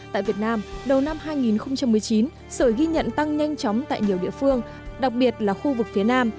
tại việt nam đầu năm hai nghìn một mươi chín sởi ghi nhận tăng nhanh chóng tại nhiều địa phương đặc biệt là khu vực phía nam